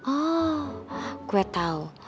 oh gue tau